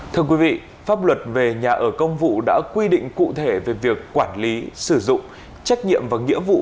thưa quý vị pháp luật về nhà ở công vụ đã quy định cụ thể về việc quản lý sử dụng trách nhiệm và nghĩa vụ